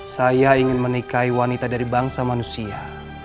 saya ingin menikahi wanita dari bangsa manusia